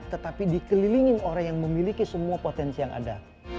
tetapi dikelilingi orang yang memiliki semua potensi yang ada